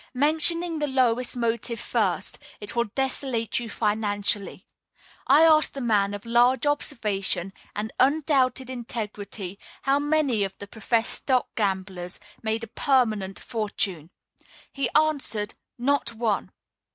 Mentioning the lowest motive first, it will desolate you financially. I asked a man of large observation and undoubted integrity, how many of the professed stock gamblers made a permanent fortune. He answered, "Not one!